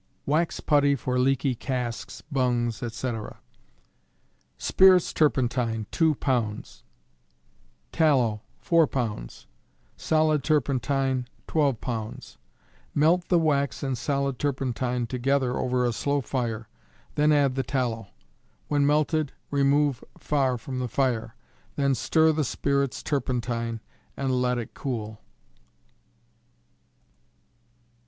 Wax Putty for Leaky Casks, Bungs, etc. Spirits turpentine, 2 pounds; tallow, 4 pounds; solid turpentine, 12 pounds. Melt the wax and solid turpentine together over a slow fire, then add the tallow. When melted, remove far from the fire, then stir the spirits turpentine, and let it cool.